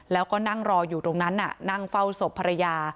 แล้วก็นั่งรออยู่ตรงนั้นนั่งเฝ้าศพภรรยา